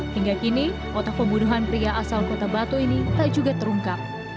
hingga kini otak pembunuhan pria asal kota batu ini tak juga terungkap